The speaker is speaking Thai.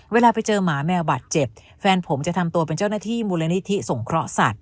เวลาไปเจอหมาแมวบาดเจ็บแฟนผมจะทำตัวเป็นเจ้าหน้าที่มูลนิธิสงเคราะหสัตว